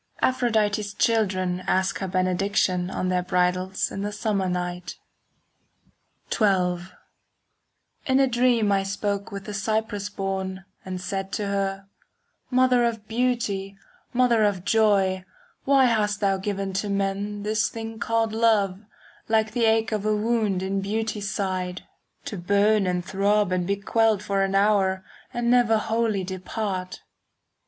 5 Aphrodite's children Ask her benediction On their bridals in the summer night. XII In a dream I spoke with the Cyprus born, And said to her, "Mother of beauty, mother of joy, Why hast thou given to men "This thing called love, like the ache of a wound 5 In beauty's side, To burn and throb and be quelled for an hour And never wholly depart?"